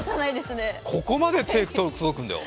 ここまで手が届くんだよ！